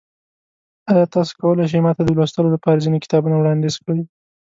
ایا تاسو کولی شئ ما ته د لوستلو لپاره ځینې کتابونه وړاندیز کړئ؟